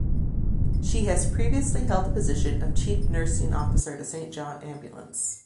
She has previously held the position of Chief Nursing Officer to St John Ambulance.